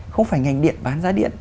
không phải ngành điện bán giá điện